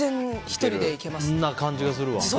そんな感じがするわ。